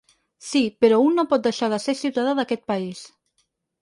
Sí, però un no pot deixar de ser ciutadà d’aquest país.